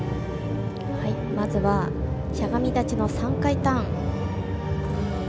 まずはしゃがみ立ちの３回ターン。